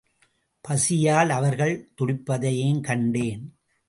பசியால் அவர்கள் துடிப்பதையும் கண்டேன்.